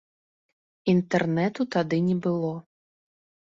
Інтэрнэту тады не было.